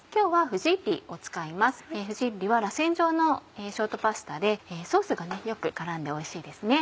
フジッリはらせん状のショートパスタでソースがよく絡んでおいしいですね。